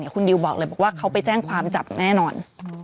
คุณดิวบอกเลยบอกว่าเขาไปแจ้งความจับแน่นอน